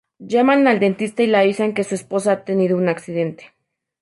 Llaman al dentista y le avisan de que su esposa ha tenido un accidente.